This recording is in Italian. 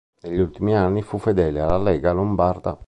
Negli ultimi anni fu fedele alla Lega Lombarda.